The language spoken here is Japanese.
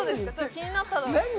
気になったら何？